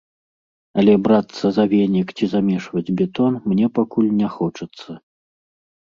Але брацца за венік ці замешваць бетон мне пакуль не хочацца.